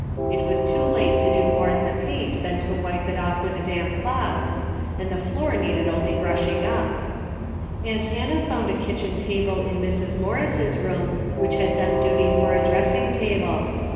It was too late to do more at the paint than to wipe it off with a damp cloth, and the DAILY RATE." 161 floor needed only brushing up. Aunt Hannah found a kitchen table in Mrs. Morris' room which had done duty for a dressing table.